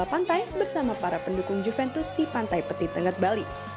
pantai bersama para pendukung juventus di pantai peti tengah bali